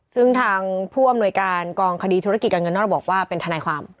ซึ่งทางผู้อำนวยการกองคดีธุรกิจการเงินนอกระบบบอกว่าเป็นทนายความ